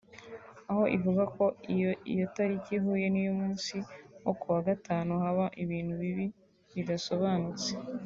aho ivuga ko iyo iyi tariki ihuye n’uyu munsi wo kuwa gatanu haba ibintu bibi bidasobanutse